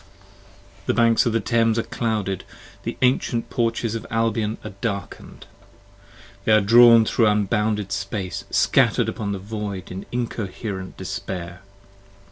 I B p. 5 THE banks of the Thames are clouded! the ancient porches of Albion are Darken'd! they are drawn thro' unbounded space, scatter'd upon The Void in incoher(er)ent despair!